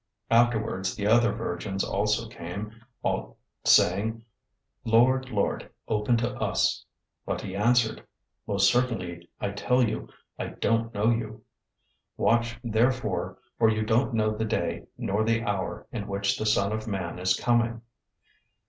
025:011 Afterward the other virgins also came, saying, 'Lord, Lord, open to us.' 025:012 But he answered, 'Most certainly I tell you, I don't know you.' 025:013 Watch therefore, for you don't know the day nor the hour in which the Son of Man is coming.